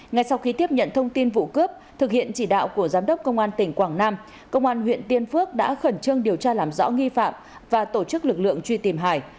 ngay sau khi tiếp nhận thông tin vụ cướp thực hiện chỉ đạo của giám đốc công an tỉnh quảng nam công an huyện tiên phước đã khẩn trương điều tra làm rõ nghi phạm và tổ chức lực lượng truy tìm hải